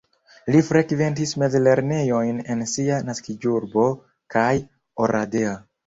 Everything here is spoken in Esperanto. Li frekventis mezlernejojn en sia naskiĝurbo kaj Oradea.